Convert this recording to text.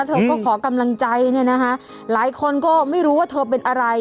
เธอก็ขอกำลังใจเนี่ยนะคะหลายคนก็ไม่รู้ว่าเธอเป็นอะไร